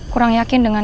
kurang yakin dengan